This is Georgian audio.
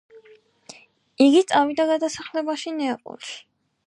იგი წავიდა გადასახლებაში ნეაპოლში.